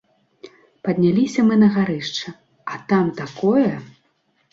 Падняліся мы на гарышча, а там такое!